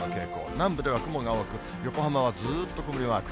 南部では雲が多く、横浜はずーっと曇りマーク。